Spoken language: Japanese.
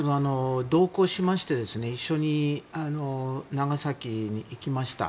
同行しまして一緒に、長崎に行きました。